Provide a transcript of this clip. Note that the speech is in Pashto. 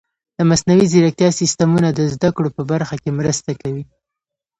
د مصنوعي ځیرکتیا سیستمونه د زده کړو په برخه کې مرسته کوي.